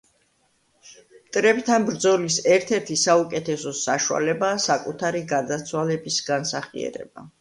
ნიკოლო მაკიაველი თვლიდა, რომ ხოლმე მტრებთან ბრძოლის ერთ-ერთი საუკეთესო საშუალებაა საკუთარი გარდაცვალების განსახიერება.